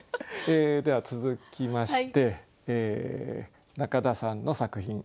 では続きまして中田さんの作品。